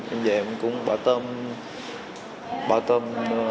em về em cũng bảo tâm bảo tâm